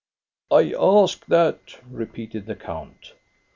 " I ask that," repeated the count.